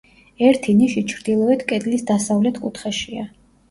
ერთი ნიში ჩრდილოეთ კედლის დასავლეთ კუთხეშია.